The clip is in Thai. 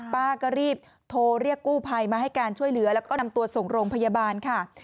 ป้าก็รีบโทรเรียกกู้ภัยมาให้การช่วยเหลือแล้วก็นำตัวส่งโรงพยาบาลค่ะ